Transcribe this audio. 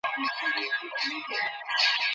এতে কার সুবিধা হয়েছে, হারামজাদা?